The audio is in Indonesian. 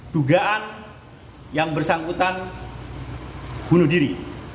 dugaan yang bersangkutan bunuh diri